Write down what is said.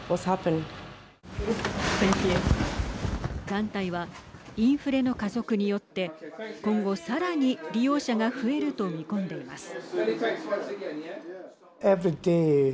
団体はインフレの加速によって今後、さらに利用者が増えると見込んでいます。